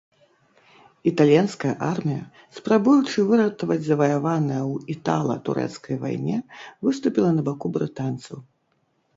Італьянская армія, спрабуючы выратаваць заваяванае ў італа-турэцкай вайне выступіла на баку брытанцаў.